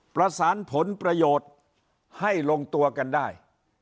ประสานผลประโยชน์ให้ลงตัวกันได้